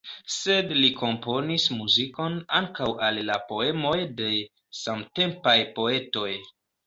Sed li komponis muzikon ankaŭ al la poemoj de samtempaj poetoj.